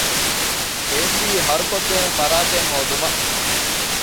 އޭ.ސީ ހަރުކޮށްދޭނެ ފަރާތެއް ހޯދުމަށް